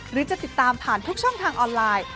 หรือจะติดตามผ่านทุกช่องทางออนไลน์